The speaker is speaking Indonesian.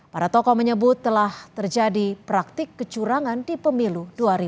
para tokoh menyebut telah terjadi praktik kecurangan di pemilu dua ribu dua puluh